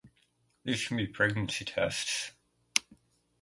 These can be pregnancy tests.